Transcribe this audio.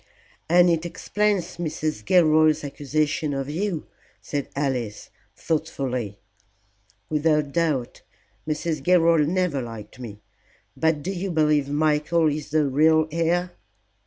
"And it explains Mrs. Gilroy's accusation of you," said Alice, thoughtfully. "Without doubt. Mrs. Gilroy never liked me. But do you believe Michael is the real heir?"